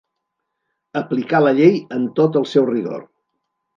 Aplicar la llei en tot el seu rigor.